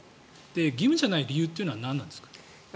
義務じゃない理由というのは何なんですか？